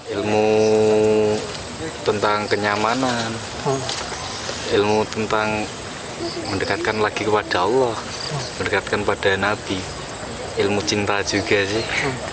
ilmu tentang kenyamanan ilmu tentang mendekatkan lagi kepada allah mendekatkan pada nabi ilmu cinta juga sih